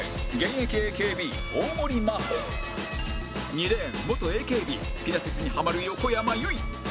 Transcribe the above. ２レーン元 ＡＫＢ ピラティスにハマる横山由依